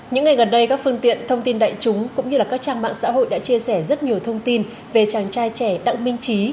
những ngày gần đây các phương tiện thông tin đại chúng cũng như các trang mạng xã hội đã chia sẻ rất nhiều thông tin về chàng trai trẻ đặng minh trí